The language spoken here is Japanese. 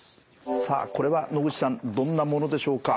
さあこれは野口さんどんなものでしょうか？